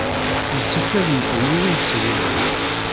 Yessefk ad yeddu yiwen seg-neɣ.